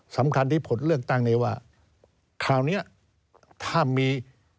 สำคัญที่ผลเลือกตั้งนี้ว่าคราวนี้ถ้ามี